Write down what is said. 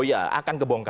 oh iya akan kebongkar